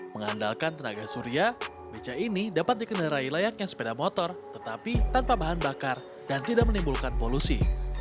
mengandalkan tenaga surya beca ini dapat dikendarai layaknya sepeda motor tetapi tanpa bahan bakar dan tidak menimbulkan polusi